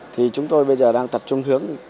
thì chúng tôi bây giờ đang tập trung hướng